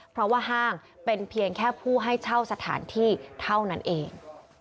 เพราะว่าห้างเป็นเพียงแค่ผู้ให้เช่าสถานที่เท่านั้นเอง